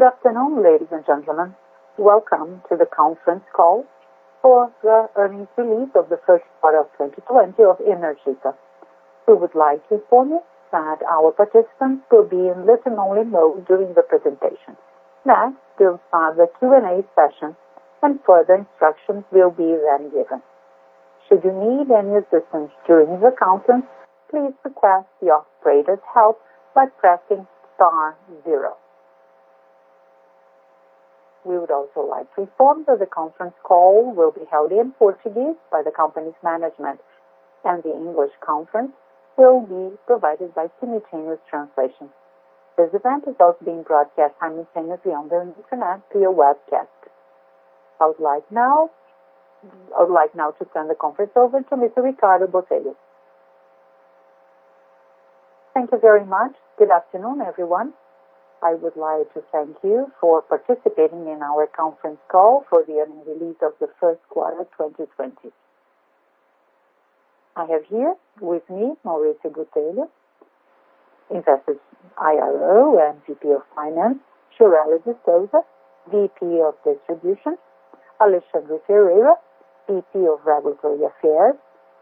Good afternoon, ladies and gentlemen. Welcome to the conference call for the earnings release of the first quarter of 2020 of Energisa. We would like to inform you that our participants will be in listen-only mode during the presentation. Next will follow the Q&A session, and further instructions will be then given. Should you need any assistance during the conference, please request the operator's help by pressing star zero. We would also like to inform that the conference call will be held in Portuguese by the company's management, and the English conference will be provided by simultaneous translation. This event is also being broadcast simultaneously on the internet via webcast. I would like now to turn the conference over to Mr. Ricardo Botelho. Thank you very much. Good afternoon, everyone. I would like to thank you for participating in our conference call for the earnings release of the first quarter of 2020. I have here with me, Maurício Botelho, Investor IR and VP of Finance, Gioreli de Souza, VP of Distribution, Alexandre Ferreira, VP of Regulatory Affairs,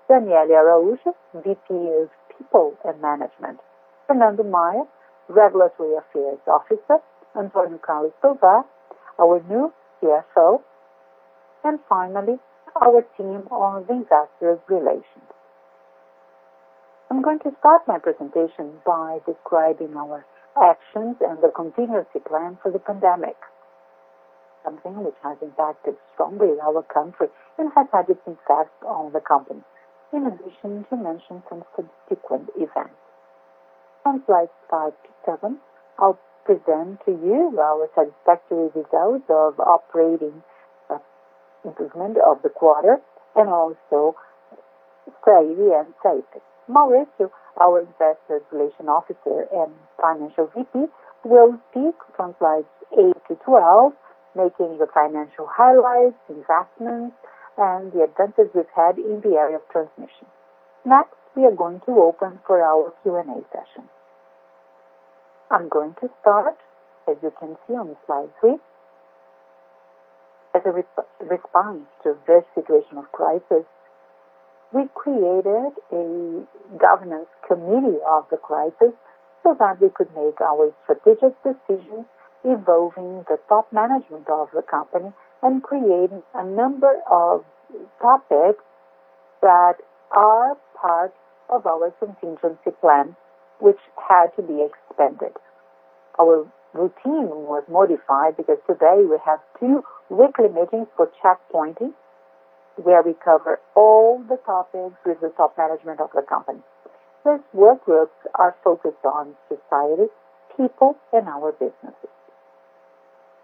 Daniele Araújo, VP of People and Management, Fernando Mayer, Regulatory Affairs Officer, Antonio Carlos Silva, our new CFO, and finally, our team of investor relations. I'm going to start my presentation by describing our actions and the contingency plan for the pandemic, something which has impacted strongly our country and has had its impact on the company. In addition, to mention some subsequent events. From slides five to seven, I'll present to you our satisfactory results of operating improvement of the quarter, and also describe the health and safety. Maurício, our Investor Relations Officer and Financial VP, will speak from slides 8 to 12, making the financial highlights, investments, and the advances we've had in the area of transmission. Next, we are going to open for our Q&A session. I'm going to start, as you can see on slide three. As a response to this situation of crisis, we created a governance committee of the crisis so that we could make our strategic decisions involving the top management of the company and creating a number of topics that are part of our contingency plan, which had to be expanded. Our routine was modified because today we have two weekly meetings for checkpointing, where we cover all the topics with the top management of the company. These workgroups are focused on society, people, and our businesses.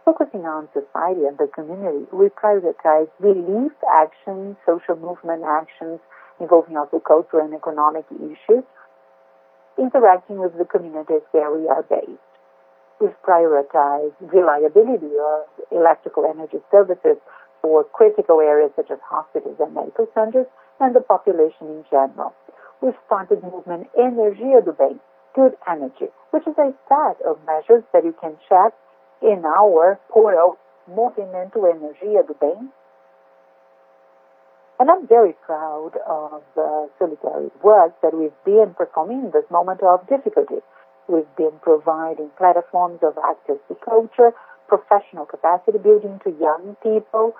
Focusing on society and the community, we prioritize relief actions, social movement actions involving also cultural and economic issues, interacting with the communities where we are based. We've prioritized reliability of electrical energy services for critical areas such as hospitals and medical centers, and the population in general. We've started the movement Energia do Bem, Good Energy, which is a set of measures that you can check in our portal, Movimento Energia do Bem. I'm very proud of the solidarity work that we've been performing in this moment of difficulty. We've been providing platforms of access to culture, professional capacity building to young people,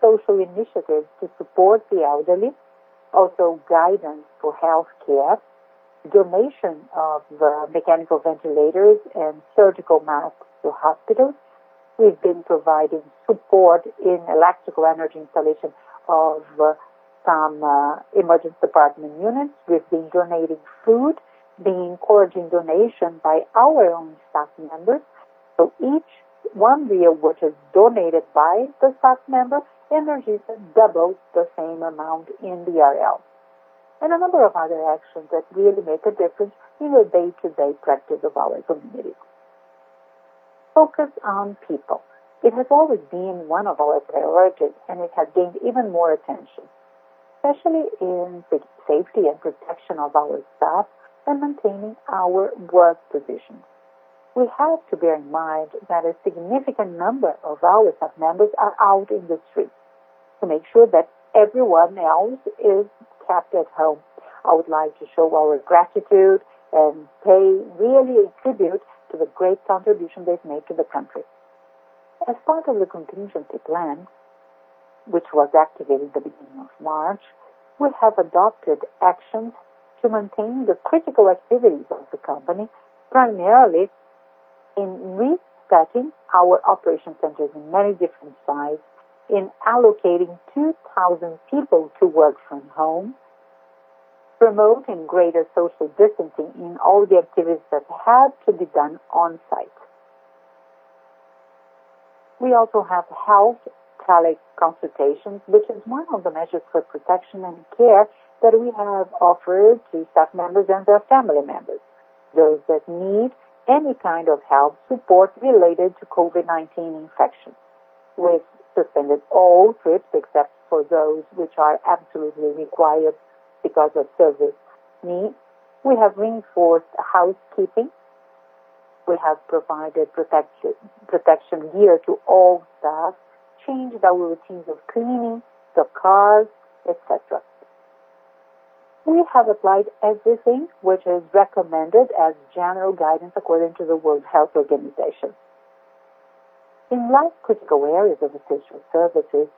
social initiatives to support the elderly, also guidance for healthcare, donation of mechanical ventilators and surgical masks to hospitals. We've been providing support in electrical energy installation of some emergency department units. We've been donating food, been encouraging donation by our own staff members. Each 1.00, which is donated by the staff member, Energisa doubles the same amount in the real. A number of other actions that really make a difference in the day-to-day practice of our community. Focus on people. It has always been one of our priorities, and it has gained even more attention, especially in the safety and protection of our staff and maintaining our work positions. We have to bear in mind that a significant number of our staff members are out in the streets to make sure that everyone else is kept at home. I would like to show our gratitude and pay really a tribute to the great contribution they've made to the country. As part of the contingency plan, which was activated at the beginning of March, we have adopted actions to maintain the critical activities of the company, primarily in resetting our operation centers in many different sites, in allocating 2,000 people to work from home, promoting greater social distancing in all the activities that had to be done on-site. We also have health teleconsultations, which is one of the measures for protection and care that we have offered to staff members and their family members, those that need any kind of health support related to COVID-19 infection. We've suspended all trips except for those which are absolutely required because of service needs. We have reinforced housekeeping. We have provided protection gear to all staff, changed our routines of cleaning the cars, et cetera. We have applied everything which is recommended as general guidance according to the World Health Organization. In life-critical areas of essential services,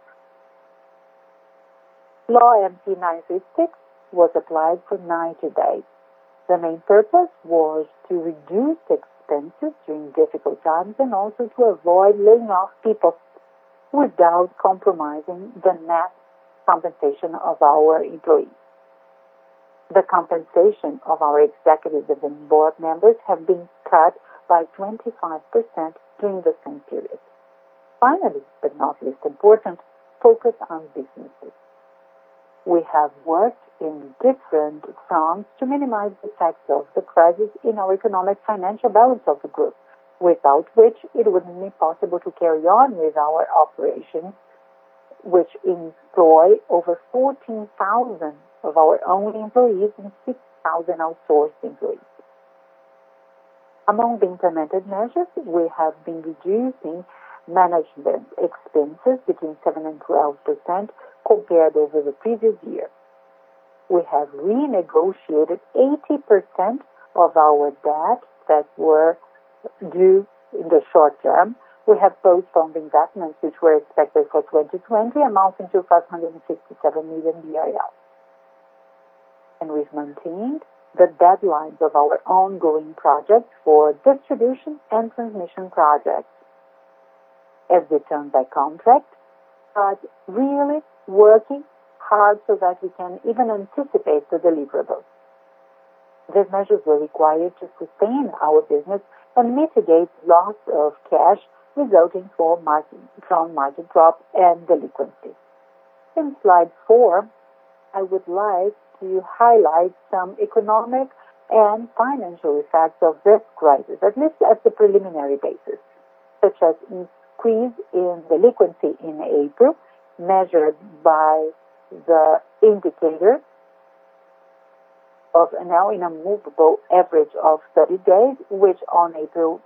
Law MP 936 was applied for 90 days. The main purpose was to reduce expenses during difficult times and also to avoid laying off people without compromising the net compensation of our employees. The compensation of our executives and board members have been cut by 25% during the same period. Finally, but not least important, focus on businesses. We have worked in different fronts to minimize the effects of the crisis in our economic financial balance of the group, without which it wouldn't be possible to carry on with our operations, which employ over 14,000 of our own employees and 6,000 outsourced employees. Among the implemented measures, we have been reducing management expenses between 7% and 12% compared over the previous year. We have renegotiated 80% of our debt that were due in the short term. We have postponed investments which were expected for 2020 amounting to 567 million. We've maintained the deadlines of our ongoing projects for distribution and transmission projects as determined by contract, but really working hard so that we can even anticipate the deliverables. These measures were required to sustain our business and mitigate loss of cash resulting from margin drop and delinquency. In slide four, I would like to highlight some economic and financial effects of this crisis, at least as a preliminary basis, such as increase in delinquency in April, measured by the indicator of now in a movable average of 30 days, which on April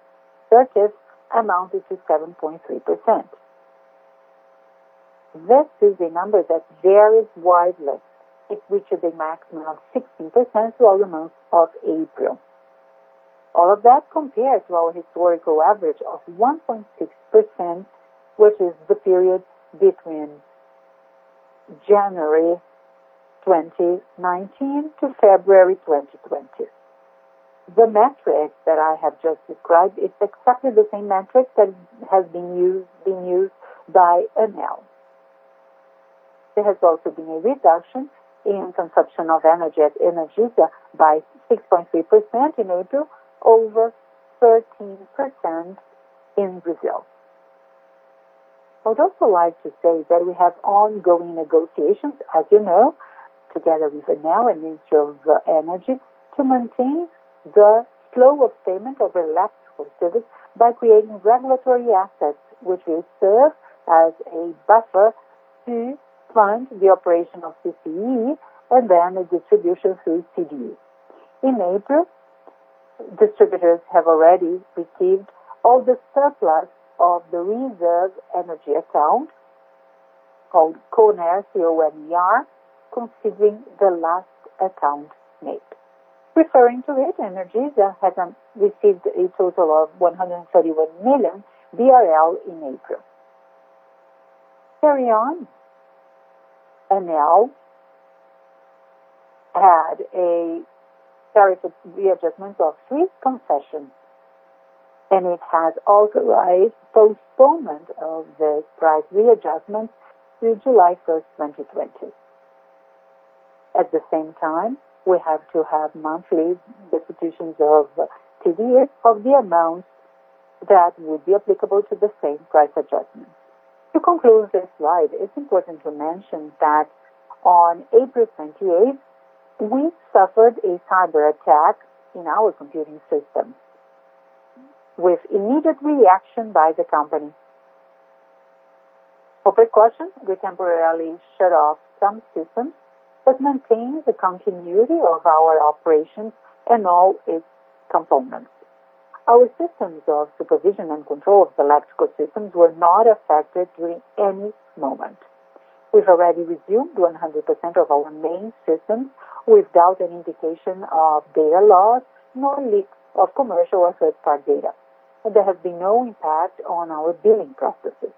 30th amounted to 7.3%. This is a number that varies widely. It reached a maximum of 16% throughout the month of April. All of that compares to our historical average of 1.6%, which is the period between January 2019 to February 2020. The metric that I have just described is exactly the same metric that has been used by ANEEL. There has also been a reduction in consumption of energy at Energisa by 6.3% in April, over 13% in Brazil. I would also like to say that we have ongoing negotiations, as you know, together with ANEEL and Ministry of Energy, to maintain the flow of payment of electrical service by creating regulatory assets, which will serve as a buffer to fund the operation of CCEE and then the distribution through CDE. In April, distributors have already received all the surplus of the reserve energy account, called CONER, considering the last account made. Referring to it, Energisa has received a total of 131 million BRL in April. Carry on. ANEEL had a tariff readjustment of three concessions, and it has authorized postponement of the price readjustment to July 1st, 2020. At the same time, we have to have monthly depositions of CDE of the amount that would be applicable to the same price adjustment. To conclude this slide, it's important to mention that on April 28th, we suffered a cyberattack in our computing system with immediate reaction by the company. For precaution, we temporarily shut off some systems but maintained the continuity of our operations and all its components. Our systems of supervision and control of electrical systems were not affected during any moment. We've already resumed 100% of our main systems without an indication of data loss, nor leaks of commercial or third-party data. There has been no impact on our billing processes.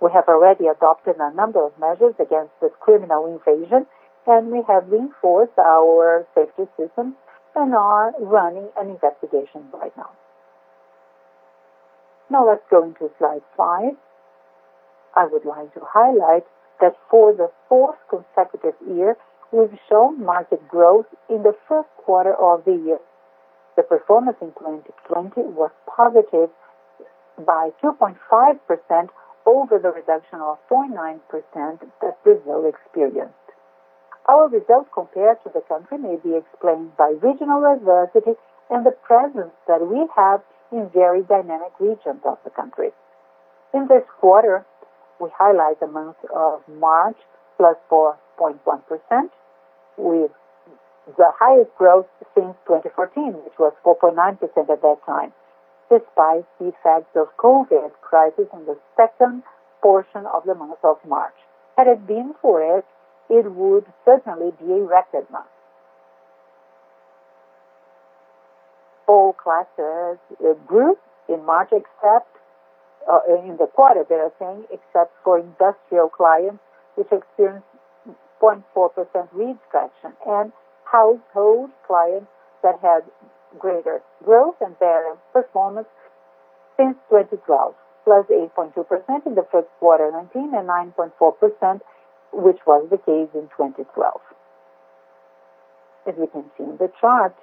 We have already adopted a number of measures against this criminal invasion, and we have reinforced our safety systems and are running an investigation right now. Now let's go into slide five. I would like to highlight that for the fourth consecutive year, we've shown market growth in the first quarter of the year. The performance in 2020 was positive by 2.5% over the reduction of 4.9% that Brazil experienced. Our results compared to the country may be explained by regional diversity and the presence that we have in very dynamic regions of the country. In this quarter, we highlight the month of March, plus 4.1%, with the highest growth since 2014, which was 4.9% at that time, despite the effects of COVID-19 crisis in the second portion of the month of March. Had it been for it would certainly be a record month. All classes group in March except, in the quarter, better saying, except for industrial clients, which experienced 0.4% reduction, and household clients that had greater growth and better performance since 2012, plus 8.2% in the first quarter 2019 and 9.4%, which was the case in 2012. As you can see in the chart,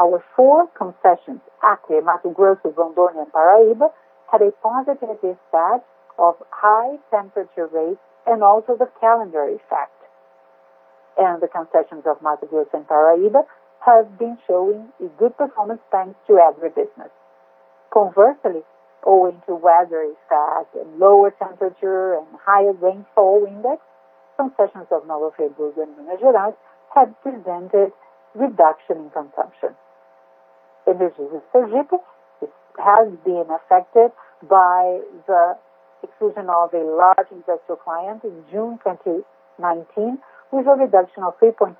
our four concessions, Acre, Mato Grosso, Rondônia, and Paraíba, had a positive effect of high temperature rates and also the calendar effect. The concessions of Mato Grosso and Paraíba have been showing a good performance thanks to agribusiness. Conversely, owing to weather effects and lower temperature and higher rainfall index, concessions of Nova Friburgo and Minas Gerais have presented reduction in consumption. Energisa Sergipe, it has been affected by the exclusion of a large industrial client in June 2019, with a reduction of 3.4%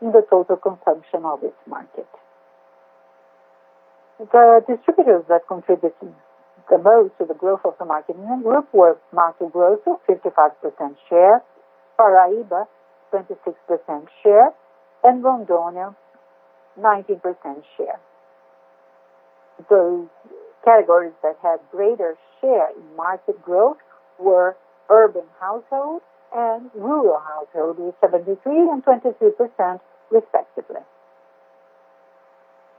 in the total consumption of this market. The distributors that contributed the most to the growth of the market in the group were Mato Grosso, 55% share, Paraíba, 26% share, and Rondônia, 19% share. The categories that had greater share in market growth were urban household and rural household, with 73% and 23% respectively.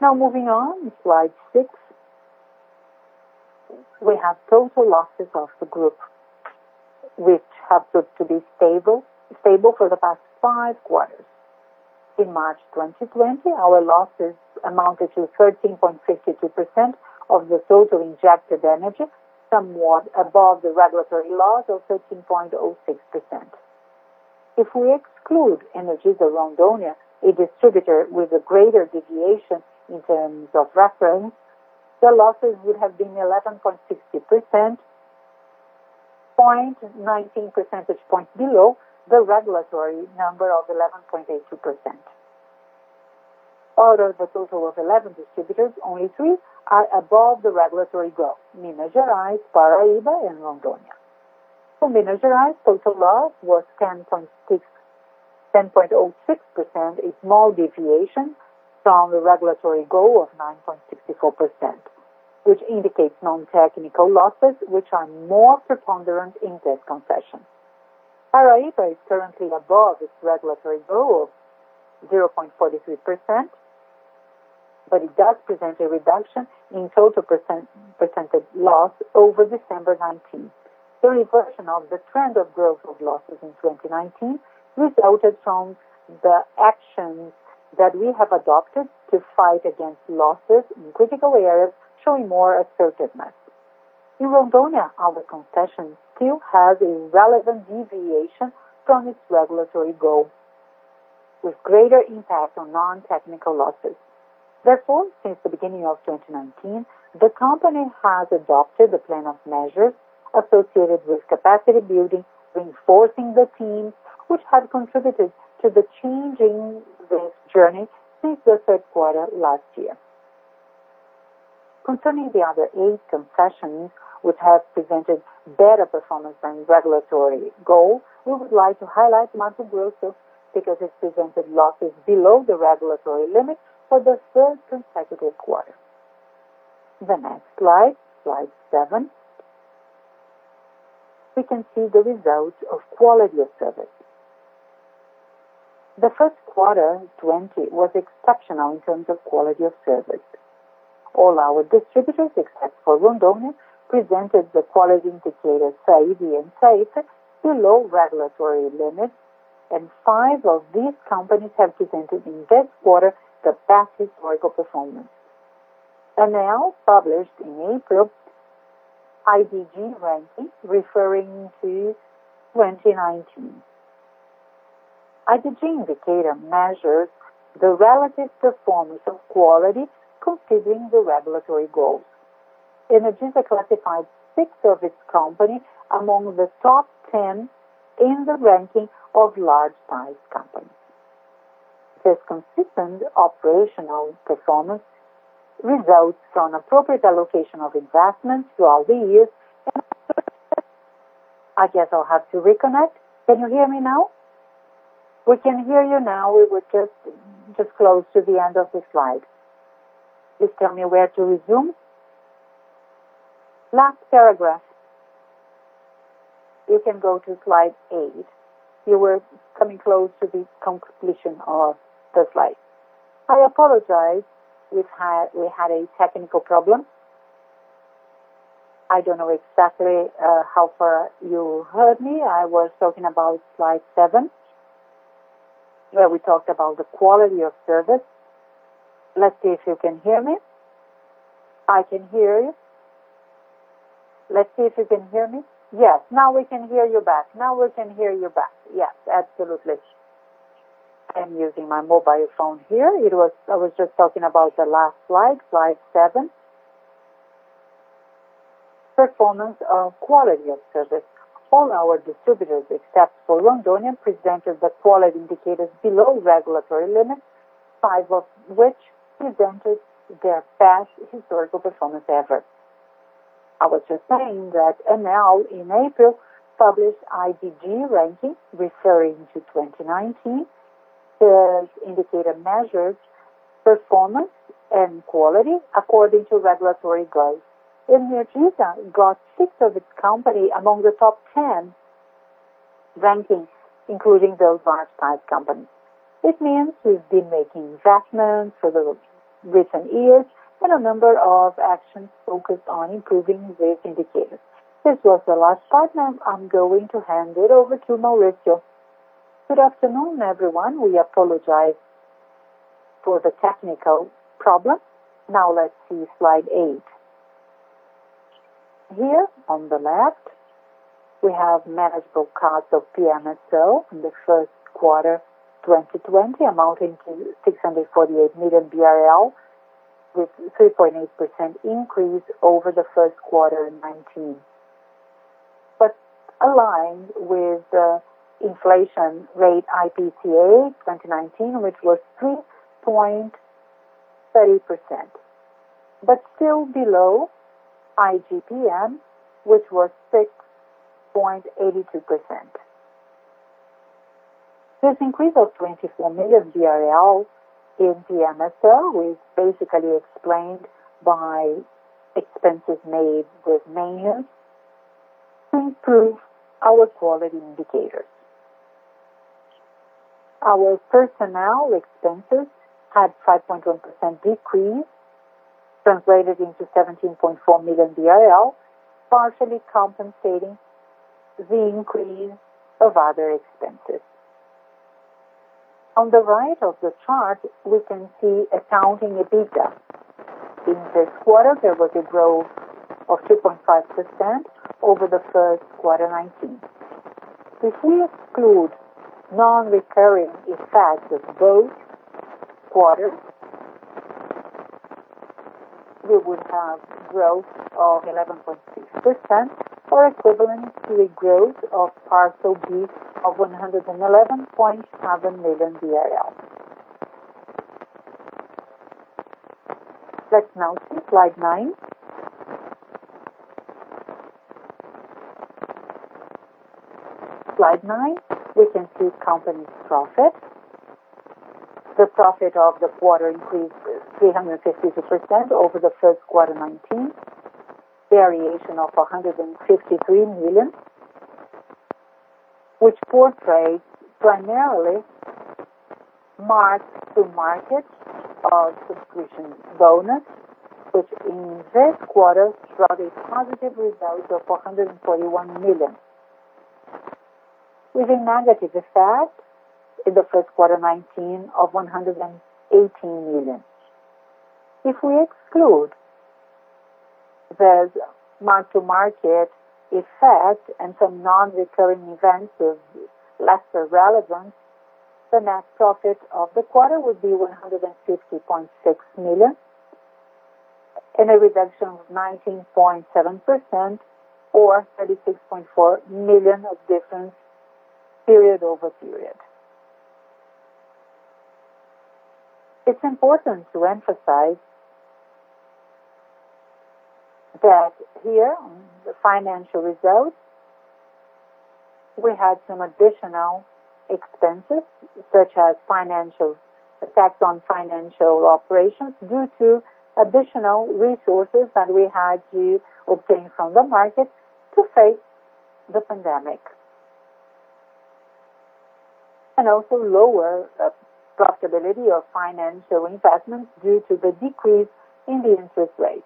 Moving on to slide six. We have total losses of the group, which have proved to be stable for the past five quarters. In March 2020, our losses amounted to 13.62% of the total injected energy, somewhat above the regulatory loss of 13.06%. If we exclude Energisa Rondônia, a distributor with a greater deviation in terms of reference, the losses would have been 11.60%, 0.19 percentage points below the regulatory number of 11.82%. Out of the total of 11 distributors, only three are above the regulatory goal, Minas Gerais, Paraíba, and Rondônia. For Minas Gerais, total loss was 10.06%, a small deviation from the regulatory goal of 9.64%, which indicates non-technical losses, which are more preponderant in this concession. Paraíba is currently above its regulatory goal of 0.43%, but it does present a reduction in total percentage loss over December 2019. The reversion of the trend of growth of losses in 2019 resulted from the actions that we have adopted to fight against losses in critical areas, showing more assertiveness. In Rondônia, our concession still has a relevant deviation from its regulatory goal, with greater impact on non-technical losses. Since the beginning of 2019, the company has adopted the plan of measures associated with capacity building, reinforcing the teams, which have contributed to the change in this journey since the third quarter last year. Concerning the other eight concessions, which have presented better performance than regulatory goal, we would like to highlight Mato Grosso because it presented losses below the regulatory limit for the third consecutive quarter. The next slide seven. We can see the results of quality of services. The first quarter in 20 was exceptional in terms of quality of service. All our distributors, except for Rondônia, presented the quality indicators SAIDI and SAIFI below regulatory limits, and five of these companies have presented in this quarter the best historical performance. ANEEL published in April IDG ranking referring to 2019. IDG indicator measures the relative performance of quality considering the regulatory goals. Energisa classified six of its company among the top 10 in the ranking of large-sized companies. This consistent operational performance results from appropriate allocation of investments throughout the years. I guess I'll have to reconnect. Can you hear me now? We can hear you now. We were just close to the end of the slide. Just tell me where to resume. Last paragraph. You can go to slide eight. You were coming close to the completion of the slide. I apologize. We had a technical problem. I don't know exactly how far you heard me. I was talking about slide seven, where we talked about the quality of service. Let's see if you can hear me. I can hear you. Let's see if you can hear me. Yes. Now we can hear you back. Yes, absolutely. I'm using my mobile phone here. I was just talking about the last slide seven. Performance of quality of service. All our distributors, except for Rondônia, presented the quality indicators below regulatory limits, five of which presented their best historical performance ever. I was just saying that ANEEL in April published IDG ranking referring to 2019. The indicator measures performance and quality according to regulatory goals. Energisa got six of its company among the top 10 rankings, including the advanced-sized company. It means we've been making investments for the recent years and a number of actions focused on improving these indicators. This was the last slide. Now I'm going to hand it over to Maurício. Good afternoon, everyone. We apologize for the technical problem. Now let's see slide eight. Here on the left, we have manageable costs of PMSO in the first quarter 2020, amounting to 648 million BRL, with 3.8% increase over the first quarter in 2019. Aligned with the inflation rate IPCA 2019, which was 3.30%, but still below IGP-M, which was 6.82%. This increase of 24 million BRL in PMSO is basically explained by expenses made with maintenance to improve our quality indicators. Our personnel expenses had 5.1% decrease, translated into 17.4 million, partially compensating the increase of other expenses. On the right of the chart, we can see accounting EBITDA. In this quarter, there was a growth of 3.5% over the first quarter 2019. If we exclude non-recurring effects of both quarters, we would have growth of 11.6%, or equivalent to a growth of Parcela B of BRL 111.7 million. Let's now see slide nine. Slide nine, we can see company's profit. The profit of the quarter increased 352% over the first quarter 2019, variation of BRL 153 million, which portrays primarily mark-to-market of subscription bonus, which in this quarter showed a positive result of 141 million, with a negative effect in the first quarter 2019 of 118 million. If we exclude the mark-to-market effect and some non-recurring events of lesser relevance, the net profit of the quarter would be 150.6 million, and a reduction of 19.7%, or 36.4 million of difference period over period. It's important to emphasize that here on the financial results, we had some additional expenses, such as effects on financial operations due to additional resources that we had to obtain from the market to face the pandemic. Also lower profitability of financial investments due to the decrease in the interest rates.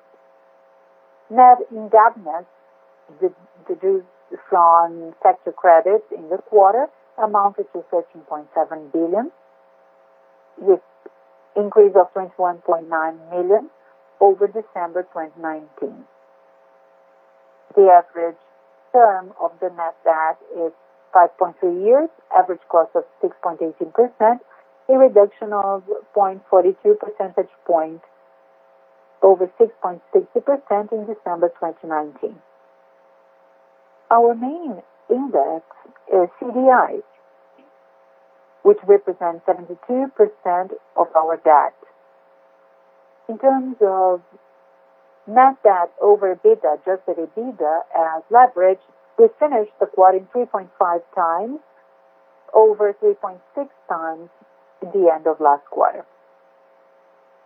Net indebtedness deduced from sector credit in the quarter amounted to 13.7 billion, with increase of 21.9 million over December 2019. The average term of the net debt is 5.3 years, average cost of 6.18%, a reduction of 0.42 percentage point over 6.60% in December 2019. Our main index is CDI, which represents 72% of our debt. In terms of net debt over EBITDA, adjusted EBITDA as leverage, we finished the quarter 3.5x over 3.6x the end of last quarter.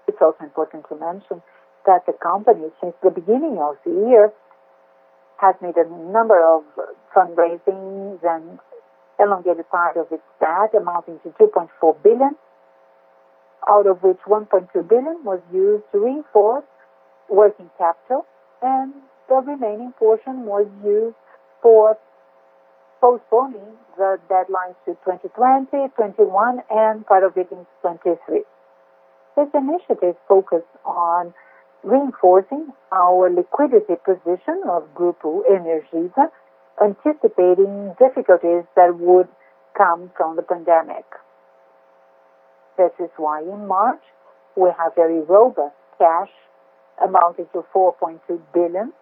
BRL 1.2 billion was used to reinforce working capital, and the remaining portion was used for postponing the deadlines to 2020, 2021, and part of it in 2023. This initiative focused on reinforcing our liquidity position of Grupo Energisa, anticipating difficulties that would come from the pandemic. This is why in March, we have very robust cash amounting to 4.2 billion,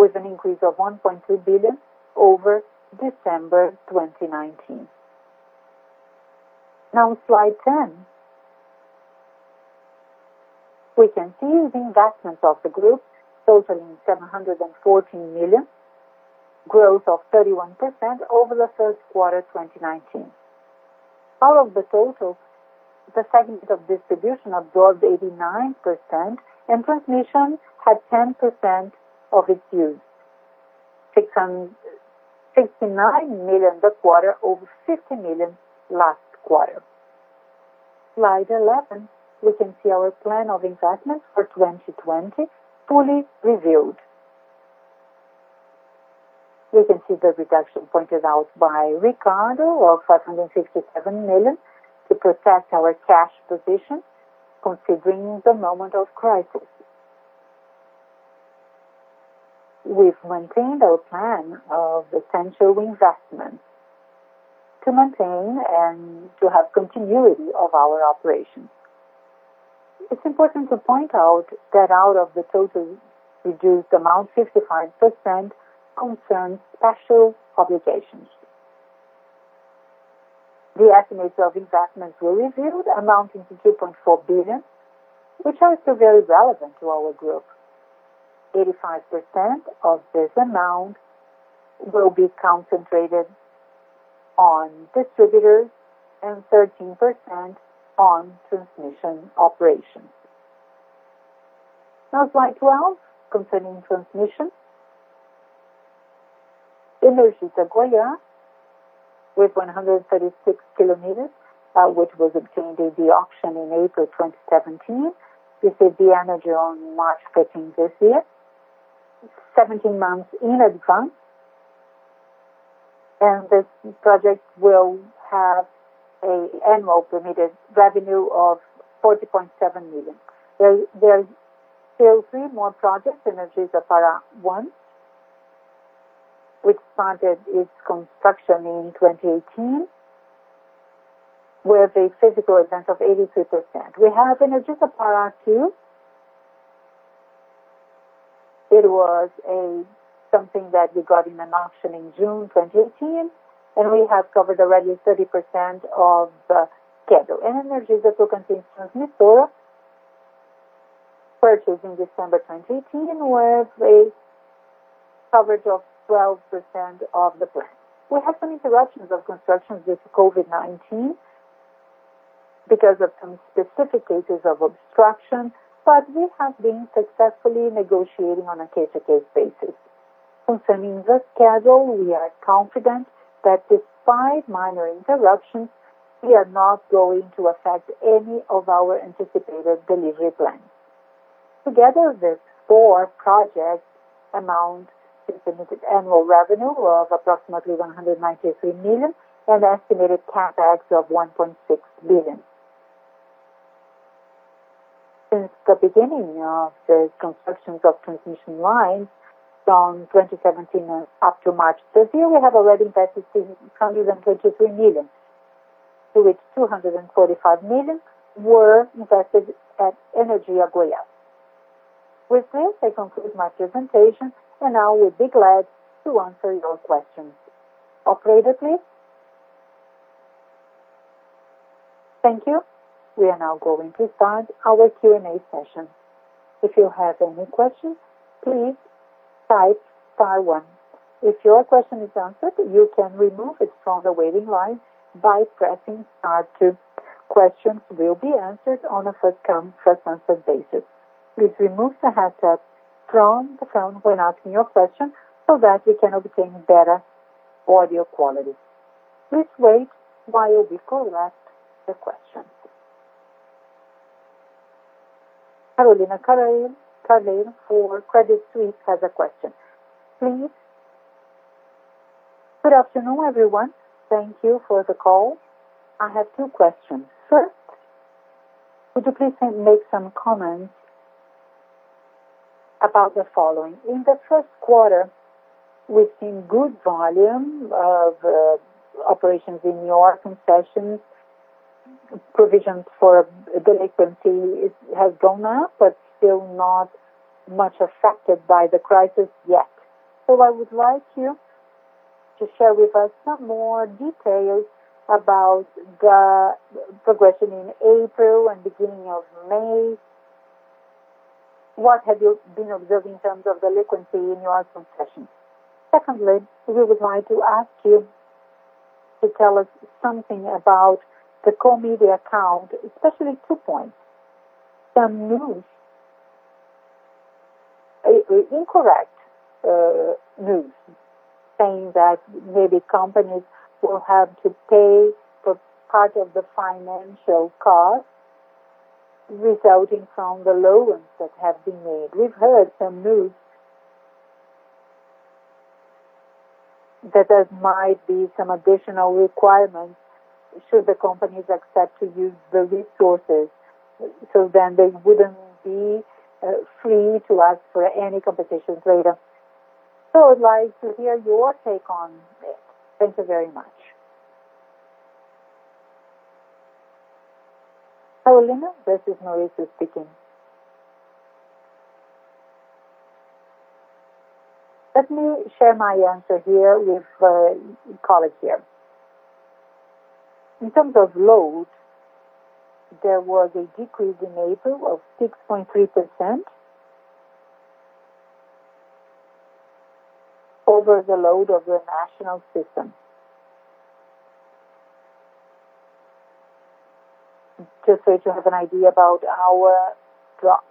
with an increase of 1.2 billion over December 2019. Slide 10. We can see the investments of the group totaling 714 million, growth of 31% over the first quarter 2019. Out of the total, the segment of distribution absorbed 89%, and transmission had 10% of it used. 69 million this quarter over 50 million last quarter. Slide 11, we can see our plan of investment for 2020 fully reviewed. We can see the reduction pointed out by Ricardo of 567 million to protect our cash position considering the moment of crisis. We've maintained our plan of essential investments to maintain and to have continuity of our operations. It's important to point out that out of the total reduced amount, 65% concerns special obligations. The estimates of investments were reviewed, amounting to 2.4 billion, which are still very relevant to our group. 85% of this amount will be concentrated on distributors and 13% on transmission operations. Slide 12, concerning transmission. Energisa Goiás with 136 km, which was obtained in the auction in April 2017. This is the energy on March 15 this year. 17 months in advance. This project will have an annual permitted revenue of 40.7 million. There are still three more projects, Energisa Pará I, which started its construction in 2018, with a physical advance of 83%. We have Energisa Pará II. It was something that we got in an auction in June 2018, and we have covered already 30% of the schedule. Energisa Tocantins Transmissora, purchased in December 2018, with a coverage of 12% of the plan. We had some interruptions of construction due to COVID-19 because of some specific cases of obstruction, but we have been successfully negotiating on a case-to-case basis. Concerning the schedule, we are confident that despite minor interruptions, we are not going to affect any of our anticipated delivery plans. Together, these four projects amount to permitted annual revenue of approximately 193 million and estimated CapEx of 1.6 billion. Since the beginning of the constructions of transmission lines from 2017 up to March this year, we have already invested 323 million, to which 245 million were invested at Energisa Goiás. With this, I conclude my presentation. I will be glad to answer your questions. Operator, please. Thank you. We are now going to start our Q&A session. If you have any questions, please type star one. If your question is answered, you can remove it from the waiting line by pressing star two. Questions will be answered on a first come, first answered basis. Please remove the hashtag from the phone when asking your question so that we can obtain better audio quality. Please wait while we collect the questions. Carolina Carneiro for Credit Suisse has a question. Please. Good afternoon, everyone. Thank you for the call. I have two questions. First, would you please make some comments about the following: In the first quarter, we've seen good volume of operations in your concessions. Provisions for delinquency has gone up, but still not much affected by the crisis yet. I would like you to share with us some more details about the progression in April and beginning of May. What have you been observing in terms of delinquency in your concessions? Secondly, we would like to ask you to tell us something about the COVID account, especially two points. Some news saying that maybe companies will have to pay for part of the financial cost resulting from the loans that have been made. We've heard some news that there might be some additional requirements should the companies accept to use the resources, so then they wouldn't be free to ask for any competitions later. I'd like to hear your take on this. Thank you very much. Carolina, this is Maurício speaking. Let me share my answer here with colleagues here. In terms of load, there was a decrease in April of 6.3% over the load of the national system, just so to have an idea about our drop.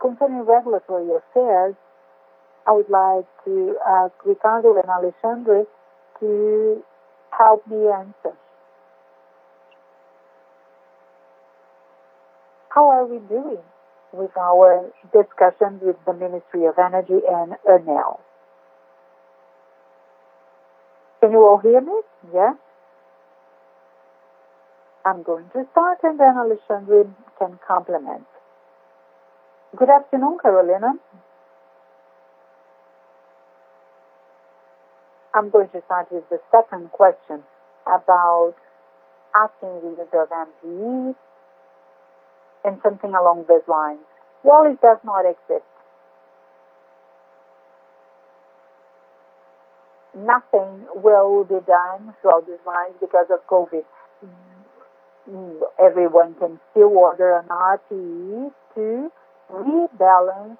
Concerning regulatory affairs, I would like to ask Ricardo and Alexandre to help me answer. How are we doing with our discussions with the Ministry of Mines and Energy and ANEEL? Can you all hear me? Yes. I'm going to start, and then Alexandre can complement. Good afternoon, Carolina. I'm going to start with the second question about asking the use of MPs and something along those lines. Well, it does not exist. Nothing will be done throughout this crisis because of COVID. Everyone can still order an RTE to rebalance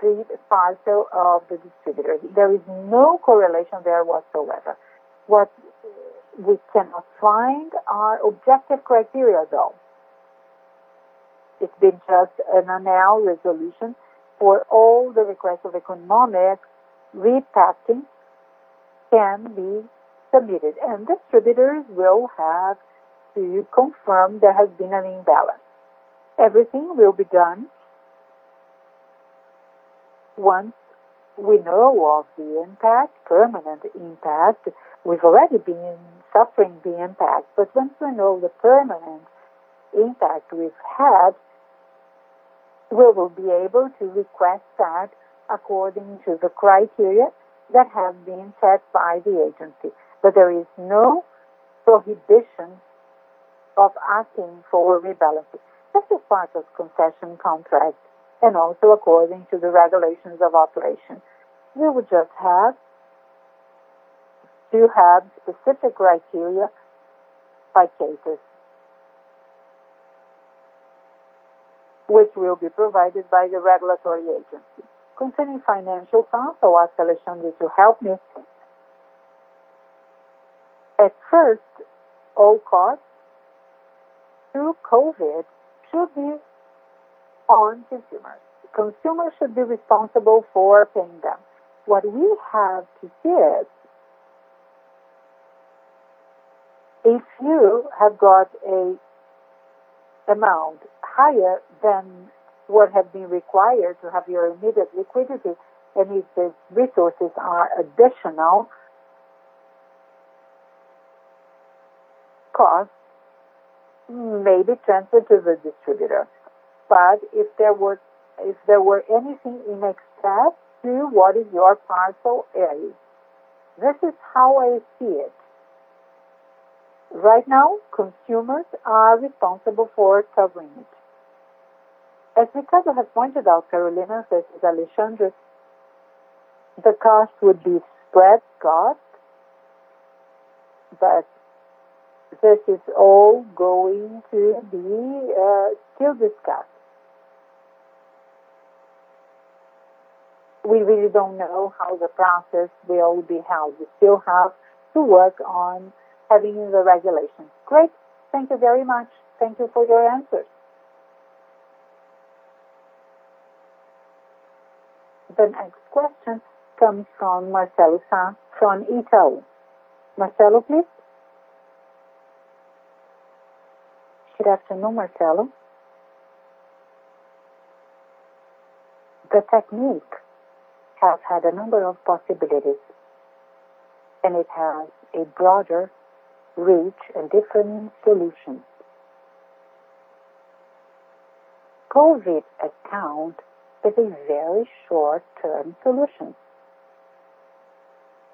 the parcel of the distributor. There is no correlation there whatsoever. What we cannot find are objective criteria, though. It's been just an ANEEL resolution where all the requests of economic repassing can be submitted, and distributors will have to confirm there has been an imbalance. Everything will be done once we know of the permanent impact. We've already been suffering the impact, once we know the permanent impact we've had, we will be able to request that according to the criteria that have been set by the agency. There is no prohibition of asking for rebalancing. That is part of concession contracts and also according to the regulations of operation. We would just have to have specific criteria by cases, which will be provided by the regulatory agency. Concerning financial costs, I'll ask Alexandre to help me. At first, all costs through COVID should be on consumers. Consumers should be responsible for paying them. What we have to see is, if you have got an amount higher than what had been required to have your immediate liquidity, and if these resources are additional cost, may be transferred to the distributor. If there were anything in excess to what is your parcel, this is how I see it. Right now, consumers are responsible for covering it. As Ricardo has pointed out, Carolina, this is Alexandre. The cost would be spread cost. This is all going to be still discussed. We really don't know how the process will be held. We still have to work on having the regulations. Great. Thank you very much. Thank you for your answers. The next question comes from Marcelo Sá, from Itaú. Marcelo, please. Good afternoon, Marcelo. The technique has had a number of possibilities, and it has a broader reach and different solutions. COVID account is a very short-term solution.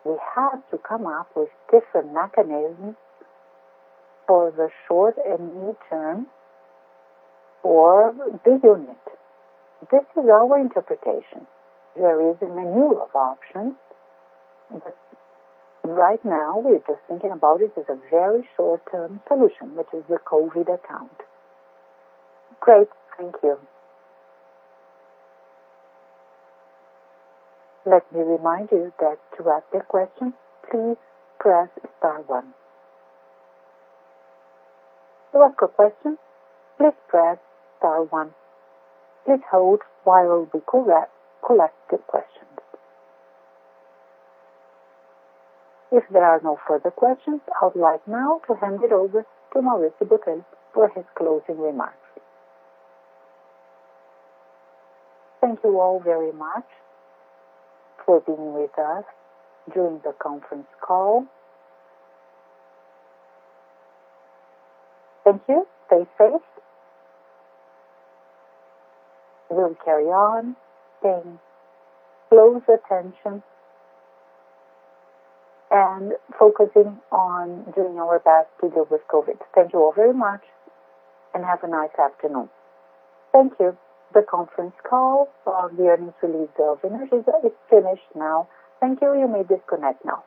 We have to come up with different mechanisms for the short and medium term or be doing it. This is our interpretation. There is a menu of options, but right now we're just thinking about it as a very short-term solution, which is the COVID account. Great. Thank you. Let me remind you that to ask a question, please press star one. To ask a question, please press star one. Please hold while we collect the questions. If there are no further questions, I would like now to hand it over to Maurício Botelho for his closing remarks. Thank you all very much for being with us during the conference call. Thank you. Stay safe. We'll carry on paying close attention and focusing on doing our best to deal with COVID. Thank you all very much, and have a nice afternoon. Thank you. The conference call for the earnings release of Energisa is finished now. Thank you. You may disconnect now.